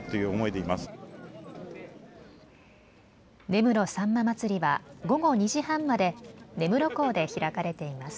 根室さんま祭りは午後２時半まで根室港で開かれています。